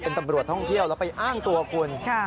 เป็นตำรวจท่องเที่ยวแล้วไปอ้างตัวคุณ